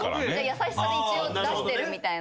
優しさで一応出してるみたいな。